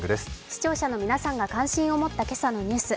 視聴者の皆さんが感心を持った今朝のニュース